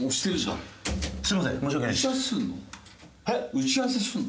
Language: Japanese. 打ち合わせするの？